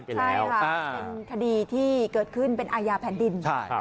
ใช่ค่ะเป็นคดีที่เกิดขึ้นเป็นอาญาแผ่นดิน